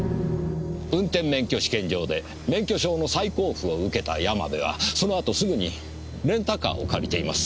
運転免許試験場で免許証の再交付を受けた山部はそのあとすぐにレンタカーを借りています。